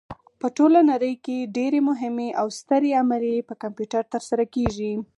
په ټوله نړۍ کې ډېرې مهمې او سترې عملیې په کمپیوټر ترسره کېږي.